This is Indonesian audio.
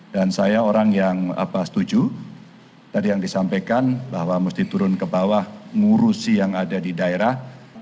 dan saya orang yang setuju tadi yang disampaikan bahwa mesti turun ke bawah ngurusi yang ada di daerah